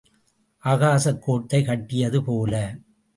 ஆகாசக் கோட்டை கட்டியது போல.